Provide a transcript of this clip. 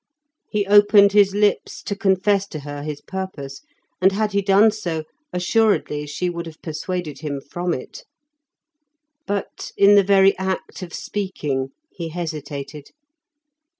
He opened his lips to confess to her his purpose, and had he done so assuredly she would have persuaded him from it. But in the very act of speaking, he hesitated.